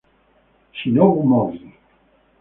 Shinobu Mogi